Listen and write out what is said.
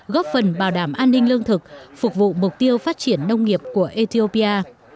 góp phần bảo đảm an ninh lương thực phục vụ mục tiêu phát triển nông nghiệp của ethiopia